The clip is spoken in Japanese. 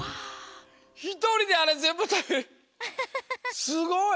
ひとりであれぜんぶたべすごい！